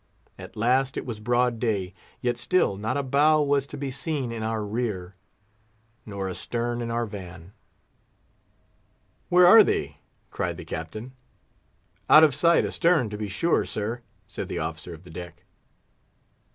At last it was broad day; yet still not a bow was to be seen in our rear, nor a stern in our van. "Where are they?" cried the Captain. "Out of sight, astern, to be sure, sir," said the officer of the deck.